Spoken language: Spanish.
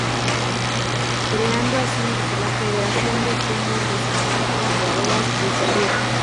Creando así la "Federación de Peñas de San Marcos de Beas de Segura".